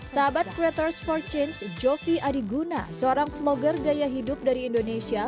sahabat creators for change jovi adiguna seorang vlogger gaya hidup dari indonesia